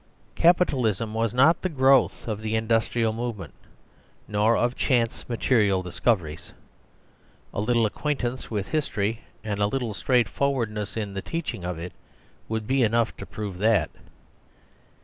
Capitalism was not the growth of the industrial movement, nor of chance material discoveries. A little acquaintance with history and a little straight forwardness in the teaching of it would be enough to prove that.